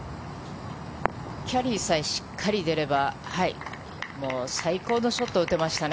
キャリーさえしっかり出ればもう最高のショットを打てましたね。